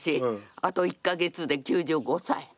あと１か月で９５歳。